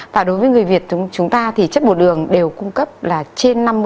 và đối với người việt chúng ta thì chất bột đường đều cung cấp là trên năm mươi